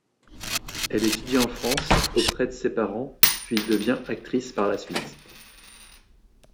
Elle étudie en France, auprès de ses parents, puis devient actrice par la suite.